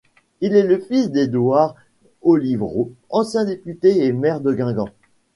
Il est le fils d'Édouard Ollivro, ancien député et maire de Guingamp.